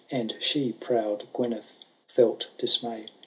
And she, proud Gyneth, felt dismay.